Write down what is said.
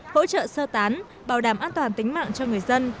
hỗ trợ sơ tán bảo đảm an toàn tính mạng cho người dân